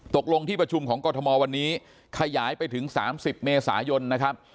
ตกลงที่ประชุมของกรทมวันนี้ขยายไปถึง๓๐เมษายนนะครับ